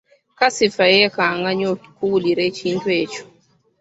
Kasifa yeekanga nnyo okuwulira ekintu ekyo.